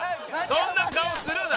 そんな顔するな。